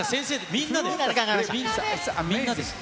みんなです。